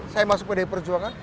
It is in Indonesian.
saya masuk pd perjuangan